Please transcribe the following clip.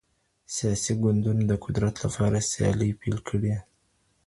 سياسي ګوندونو د قدرت لپاره سيالۍ پيل کړې.